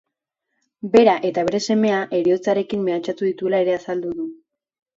Bera eta bere semea heriotzarekin mehatxatu dituela ere azaldu du.